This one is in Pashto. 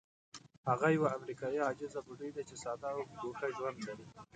هغه یوه امریکایي عاجزه بوډۍ ده چې ساده او ګوښه ژوند لري.